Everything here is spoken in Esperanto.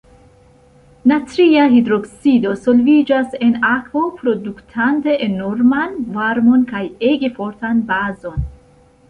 Natria hidroksido solviĝas en akvo, produktante enorman varmon kaj ege fortan bazon.